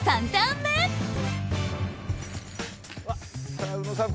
さぁ宇野さん